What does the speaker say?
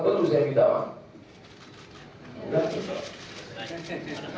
atau kebetulan saya minta maaf